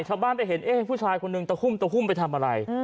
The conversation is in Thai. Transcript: ชาวบ้านไปเห็นเอ๊ะผู้ชายคนหนึ่งตะหุ้มตะหุ้มไปทำอะไร